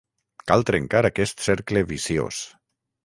Cal trencar aquest cercle viciós